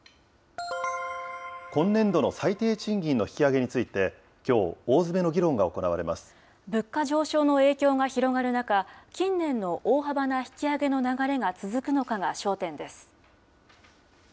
今年度の最低賃金の引き上げについて、きょう、大詰めの議論物価上昇の影響が広がる中、近年の大幅な引き上げの流れが続くのかが焦点です。